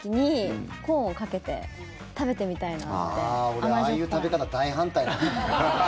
俺、ああいう食べ方大反対だな。